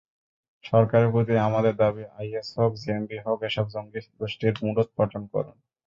সরকারের প্রতি আমাদের দাবি, আইএস হোক, জেএমবি হোক, এসব জঙ্গিগোষ্ঠীর মূলোৎপাটন করুন।